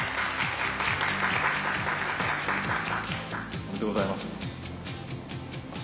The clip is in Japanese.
おめでとうございます。